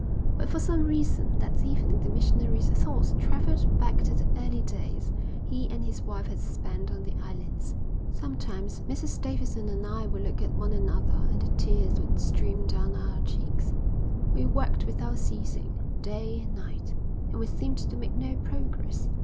But for some reason, that evening the missionary's thoughts travelled back to the early days he and his wife had spent on the islands. "Sometimes Mrs Davidson and I would look at one another and the tears would stream down our cheeks. We worked without ceasing, day and night, and we seemed to make no progress.